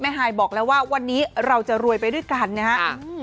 ฮายบอกแล้วว่าวันนี้เราจะรวยไปด้วยกันนะครับ